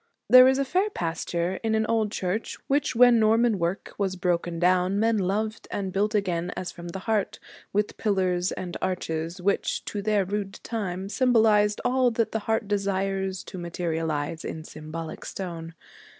There is fair pasture in an old church which, when Norman work was broken down, men loved and built again as from the heart, with pillars and arches, which, to their rude time, symbolized all that the heart desires to materialize, in symbolic stone.